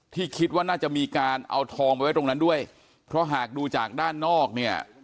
ที่คิดว่าน่าจะมีการเอาทองไปไว้ตรงนั้นด้วยเพราะหากดูจากด้านนอกเนี่ย